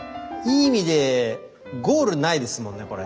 いい意味でゴールないですもんね